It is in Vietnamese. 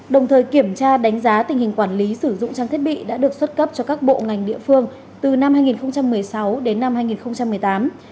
đồng thời kiểm tra đánh giá tình hình quản lý sử dụng trang thiết bị đã được xuất cấp cho các bộ ngành địa phương từ năm hai nghìn một mươi sáu đến năm hai nghìn một mươi tám